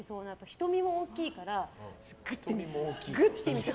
瞳も大きいからグッて見る。